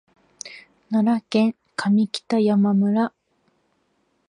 奈良県上北山村